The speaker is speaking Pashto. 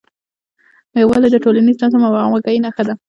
یووالی د ټولنیز نظم او همغږۍ نښه ده.